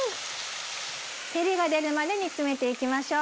照りが出るまで煮詰めていきましょう。